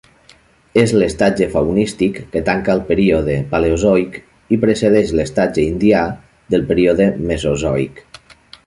És l'estatge faunístic que tanca el període Paleozoic i precedeix l'estatge Indià del període Mesozoic.